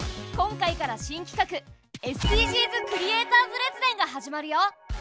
今回から新きかく「ＳＤＧｓクリエイターズ列伝」が始まるよ。